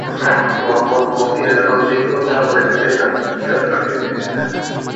মুহাম্মদ বখতিয়ার খলজি খুতবা পড়ে নিজের নামে মুদ্রা ছড়িয়ে দিয়েছিলেন।